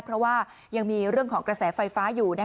เพราะว่ายังมีเรื่องของกระแสไฟฟ้าอยู่